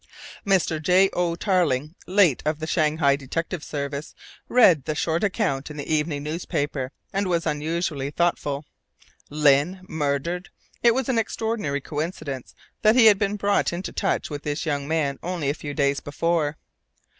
Mr. J. O. Tarling, late of the Shanghai Detective Service, read the short account in the evening newspaper, and was unusually thoughtful. Lyne murdered! It was an extraordinary coincidence that he had been brought into touch with this young man only a few days before.